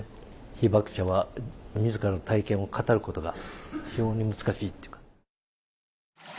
被爆者は自らの体験を語ることが非常に難しいっていうか。